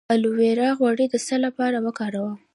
د الوویرا غوړي د څه لپاره وکاروم؟